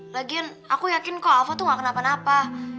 lagian aku yakin kok alfa tuh gak kenapa napa